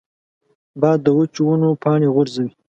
باد د وچو ونو پاڼې غورځوي